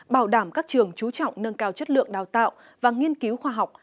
bảo đảm các trường trú trọng nâng cao chất lượng đào tạo và nghiên cứu khoa học